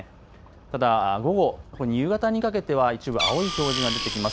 ただ午後、夕方にかけては一部青い表示が出てきます。